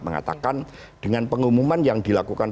mengatakan dengan pengumuman yang dilakukan